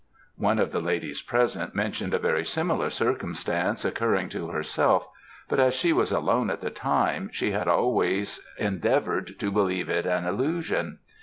One of the ladies present mentioned a very similar circumstance occurring to herself, but as she was alone at the time, she had always endeavoured to believe it an illusion.